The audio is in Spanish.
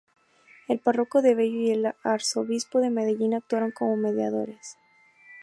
El párroco de Bello y el arzobispo de Medellín actuaron como mediadores.